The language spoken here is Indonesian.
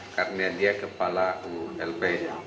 karena dia kepala ulb